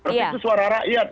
itu suara rakyat